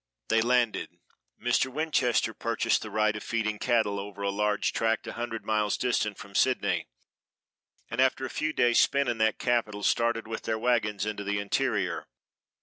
They landed. Mr. Winchester purchased the right of feeding cattle over a large tract a hundred miles distant from Sydney, and after a few days spent in that capital started with their wagons into the interior.